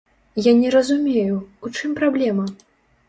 Я не разумею, у чым праблема?